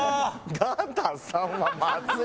ガター３はまずい。